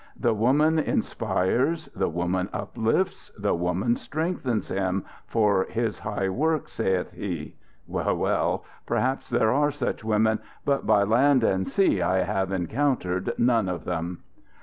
The woman inspires, the woman uplifts, the woman strengthens him for his high work, saith he! Well, well, perhaps there are such women, but by land and sea I have encountered none of them."